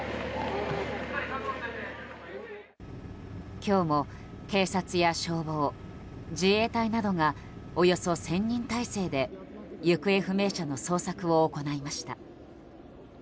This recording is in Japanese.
今日も警察や消防、自衛隊などがおよそ１０００人態勢で行方不明者の捜索を行いました。